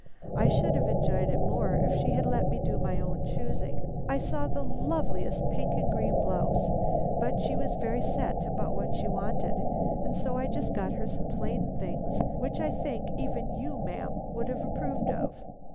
I should have enjoyed it more if she had let me do my own choosing I saw the loveliest pink and green blouse but she was very set about what she wanted, and so I just got her some plain things which I think even you, ma'am, would have approved of.